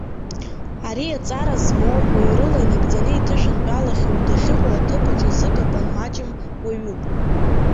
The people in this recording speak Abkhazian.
Ари аҵара змоу, уаҩрыла инагӡаны иҭышәынтәалахьоу, дахьыҟоу аҭыԥаҿы зыкапан маҷым уаҩуп.